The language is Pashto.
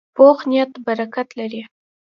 پوخ نیت برکت لري